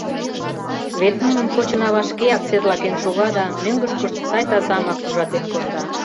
Вет нуным шочынава шкеак серлаген шога да мӧҥгышкышт сай-тазамак ужатен конда.